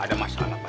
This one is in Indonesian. ada masalah apa